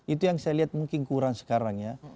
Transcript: itu yang saya lihat mungkin kurang sekarang ya